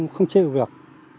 không chịu được